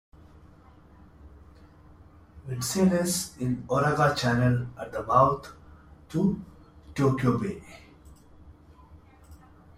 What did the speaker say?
Vincennes in Uraga Channel at the mouth to Tokyo Bay.